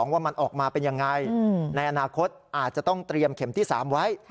ว่ามันออกมาเป็นยังไงในอนาคตอาจจะต้องเตรียมเข็มที่๓ไว้